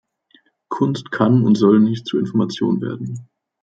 Kunst kann und soll nicht zur Information werden.